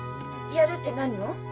やるって何を？